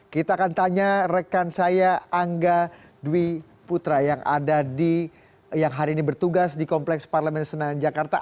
kita akan tanya rekan saya angga dwi putra yang ada di yang hari ini bertugas di kompleks parlemen senayan jakarta